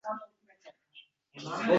Oy ostida yuz bermagan sayrlar haqi